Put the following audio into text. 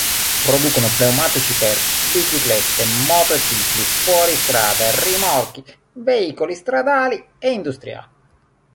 Producono pneumatici per biciclette, motocicli, fuoristrada, rimorchi, veicoli stradali e industriali.